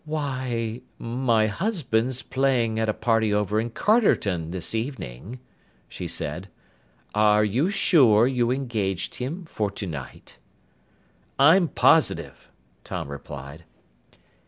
"Why, my husband's playing at a party over in Carterton this evening," she said. "Are you sure you engaged him for tonight?" "I'm positive," Tom replied.